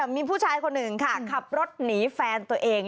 มีผู้ชายคนหนึ่งค่ะขับรถหนีแฟนตัวเอง